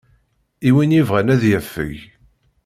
I win yebɣan ad yafeg.